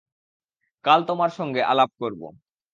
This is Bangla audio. কাল তোমার সঙ্গে আলাপ করব।